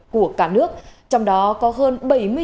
của cả nước trong đó có hơn